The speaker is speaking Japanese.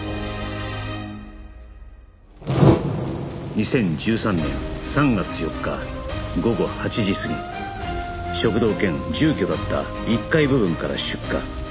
２０１３年３月４日午後８時過ぎ食堂兼住居だった１階部分から出火